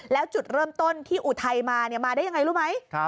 แล้วจุดเริ่มต้นที่อุทัยมามาได้ยังไงรู้ไหม